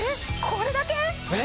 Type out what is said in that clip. これだけ？ね？